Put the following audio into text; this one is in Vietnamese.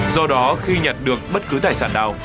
do đó khi nhặt được bất cứ tài sản nào